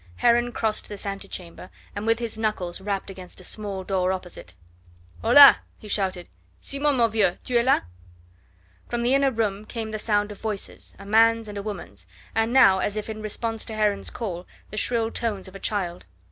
Heron crossed this ante chamber, and with his knuckles rapped against a small door opposite. "Hola!" he shouted, "Simon, mon vieux, tu es la?" From the inner room came the sound of voices, a man's and a woman's, and now, as if in response to Heron's call, the shrill tones of a child.